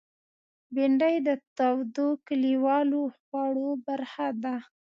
بېنډۍ د تودو کلیوالو خوړو برخه ده